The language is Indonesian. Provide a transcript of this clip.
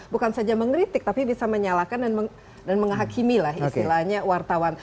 bukan saja mengkritik tapi bisa menyalahkan dan menghakimi lah istilahnya wartawan